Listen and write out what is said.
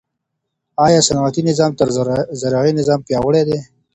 آیا صنعتي نظام تر زراعتي نظام پیاوړی دی؟